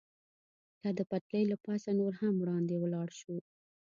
که د پټلۍ له پاسه نور هم وړاندې ولاړ شو.